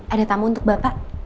ada tamu untuk bapak